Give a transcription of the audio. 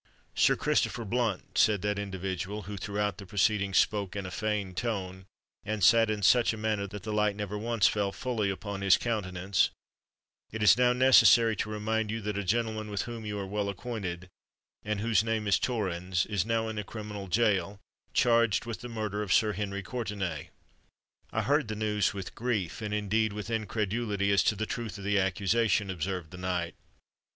"Sir Christopher Blunt," said that individual, who throughout the proceedings spoke in a feigned tone, and sate in such a manner that the light never once fell fully upon his countenance, "it is now necessary to remind you that a gentleman with whom you are well acquainted, and whose name is Torrens, is now in a criminal gaol, charged with the murder of Sir Henry Courtenay." "I heard the news with grief, and indeed with incredulity as to the truth of the accusation," observed the knight.